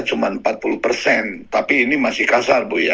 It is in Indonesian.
cuma empat puluh persen tapi ini masih kasar bu ya